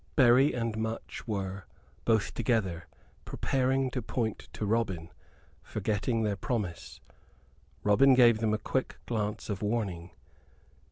Berry and Much were, both together, preparing to point to Robin, forgetting their promise. Robin gave them a quick glance of warning.